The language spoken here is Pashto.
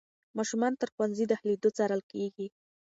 ماشومان تر ښوونځي داخلېدو څارل کېږي.